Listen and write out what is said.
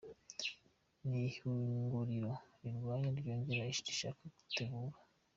Ni ihinguriro rigwaye ryongera rishaka gutebura.